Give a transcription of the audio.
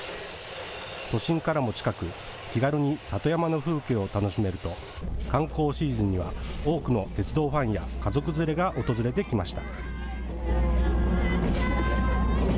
都心からも近く気軽に里山の風景を楽しめると観光シーズンには多くの鉄道ファンや家族連れが訪れてきました。